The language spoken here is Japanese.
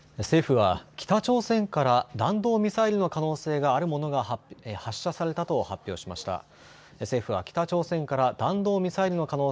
政府は北朝鮮から弾道ミサイルの可能性があるものが発射されたと発表しました。